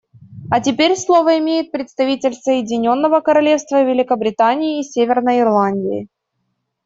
А теперь слово имеет представитель Соединенного Королевства Великобритании и Северной Ирландии.